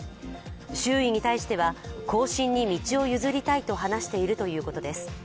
周囲に対しては、後進に道を譲りたいと話しているということです。